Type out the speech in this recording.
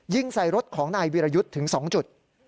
ยิงใส่รถของนายวิรยุทธ์ถึง๒จุด